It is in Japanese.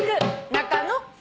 「中野」